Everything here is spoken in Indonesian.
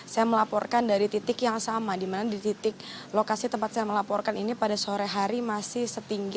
saya melaporkan dari titik yang sama di mana di titik lokasi tempat saya melaporkan ini pada sore hari masih setinggi